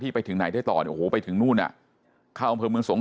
คือผู้สื่อข่าวของเราอยู่ในพื้นที่ก็บอกว่าบรรยากาศมันก็ยังเหมือนเดิม